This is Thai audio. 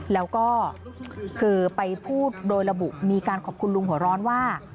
แล้วก็คือไปพูดโดยระบุมีการขอบคุณลุงหัวร้อนว่า